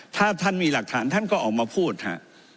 ถ้าท่านมีหลักฐานท่านก็ออกมาพูดฮะ